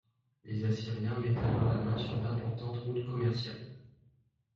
Les Assyriens mettent alors la main sur d'importantes routes commerciales.